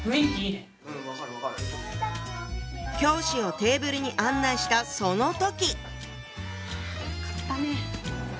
教師をテーブルに案内したその時！